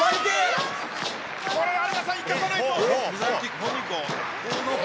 これは有田さん、生かさないと！